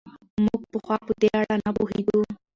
موږ پخوا په دې اړه نه پوهېدو.